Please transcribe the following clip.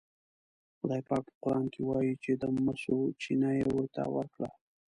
خدای پاک په قرآن کې وایي چې د مسو چینه یې ورته ورکړه.